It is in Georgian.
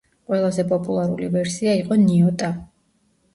ყველაზე პოპულარული ვერსია იყო ნიოტა.